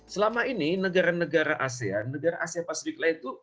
selama ini negara negara asean negara asia pasifik lah itu